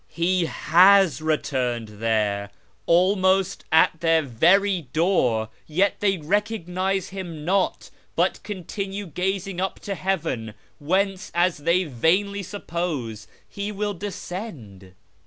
He Jias returned there, almost at their very door, yet they recognise Him not, but continue gazing up to heaven, whence, as they vainly suppose, He will descend."